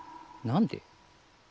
何で。